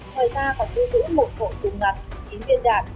ngoài ra còn thu giữ một hộ súng ngặt chín viên đạn